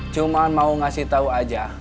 cuma mau ngasih tahu aja